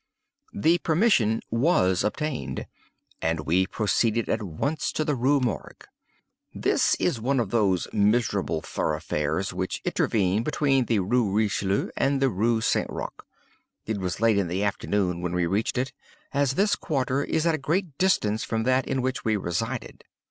The permission was obtained, and we proceeded at once to the Rue Morgue. This is one of those miserable thoroughfares which intervene between the Rue Richelieu and the Rue St. Roch. It was late in the afternoon when we reached it, as this quarter is at a great distance from that in which we resided.